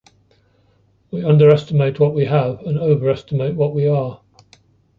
We underestimate what we have and overestimate what we are.